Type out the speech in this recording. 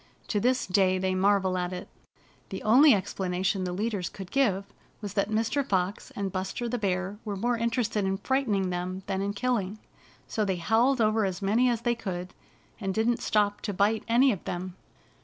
To this day they marvel at it. The only explanation the leaders could give was that Mr. Fox and Buster the Bear were more inter ested in frightening them than in killing. So they bowled over as many as they could, and didn't stop to bite any of them.